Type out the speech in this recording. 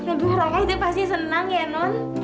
aduh rokok itu pasti senang ya non